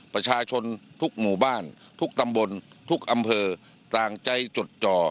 ประชาชนทุกหมู่บ้านทุกตำบลทุกอำเภอต่างใจจดจ่อ